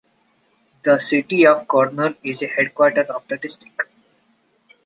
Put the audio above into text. The city of Kurnool is the headquarters of the district.